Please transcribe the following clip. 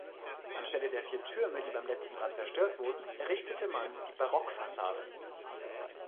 Anstelle der vier Türme, die beim letzten Brand zerstört wurden, errichtete man die Barockfassade.